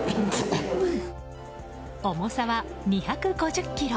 重さは２５０ｋｇ。